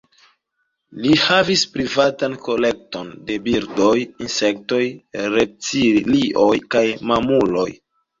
Li havis privatan kolekton de birdoj, insektoj, reptilioj kaj mamuloj.